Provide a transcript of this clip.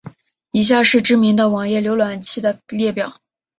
以下是知名的网页浏览器的列表。